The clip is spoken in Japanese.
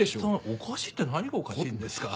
おかしいって何がおかしいんですか？